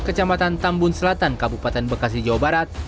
kampung selatan kabupaten bekasi jawa barat